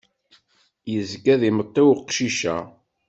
Izga d imeṭṭi uqcic-a.